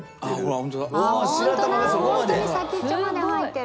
ホントに先っちょまで入ってる。